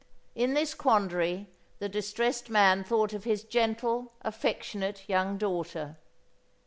In this quandary the distressed man thought of his gentle, affectionate, young daughter.